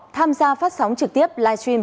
tham gia phát sóng trực tiếp live stream